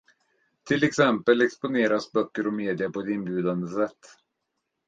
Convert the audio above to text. Till exempel exponeras böcker och media på ett inbjudande sätt.